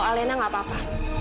alena gak apa apa